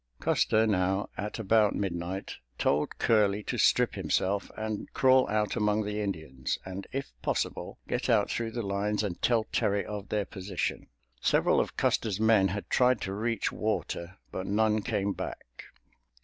Custer now at about midnight told Curley to strip himself and crawl out among the Indians, and if possible, get out through the lines and tell Terry of their position. Several of Custer's men had tried to reach water, but none came back.